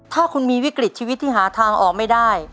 ถ้าคุณมีวิกฤตชีวิตที่หาทางออกไม่ได้